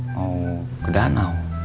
mau ke danau